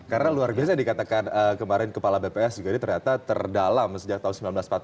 karena luar biasa dikatakan kemarin kepala bps juga ini ternyata terdalam sejak tahun seribu sembilan ratus empat puluh lima